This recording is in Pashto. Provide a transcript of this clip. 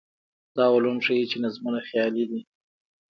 دا علوم ښيي چې نظمونه خیالي دي.